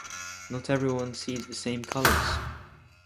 Not everyone sees the same colors.